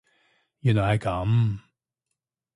原來係噉